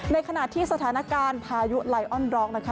ในขณะที่สถานการณ์พายุไลออนด็อกนะคะ